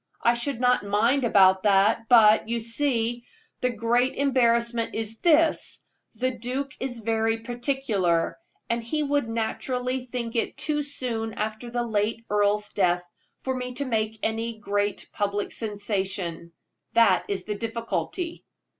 I should not mind about that; but, you see, the great embarrassment is this the duke is very particular, and he would naturally think it too soon after the late earl's death for me to make any great public sensation that is the difficulty."